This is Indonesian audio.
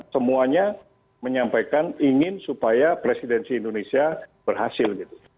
semuanya menyampaikan ingin supaya presidensi indonesia berhasil gitu